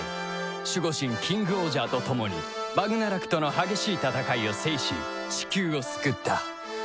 守護神キングオージャーと共にバグナラクとの激しい戦いを制しチキューを救った